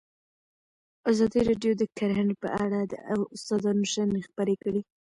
ازادي راډیو د کرهنه په اړه د استادانو شننې خپرې کړي.